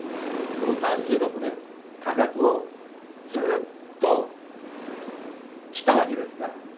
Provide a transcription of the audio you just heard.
この３６年価格をずっときたわけですから。